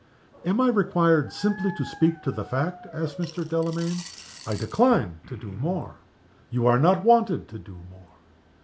"Am I required simply to speak to the fact?" asked Mr. Delamayn. "I decline to do more." "You are not wanted to do more."